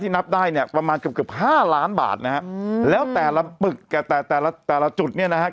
ที่นับได้เนี่ยประมาณกับ๕ล้านบาทนะครับแล้วแต่ละปึกแต่ละจุดเนี่ยนะครับ